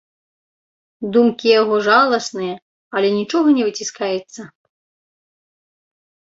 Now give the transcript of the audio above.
Думкі яго жаласныя, але нічога не выціскаецца.